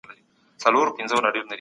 مغروره خانتما وه